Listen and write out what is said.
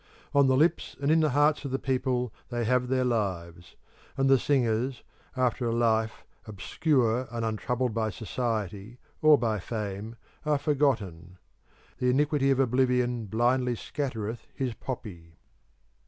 On the lips and in the hearts of the people they have their lives; and the singers, after a life obscure and untroubled by society or by fame, are forgotten. 'The Iniquity of Oblivion blindly scattereth his Poppy.'